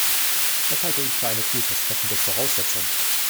Das halte ich für eine vielversprechende Voraussetzung.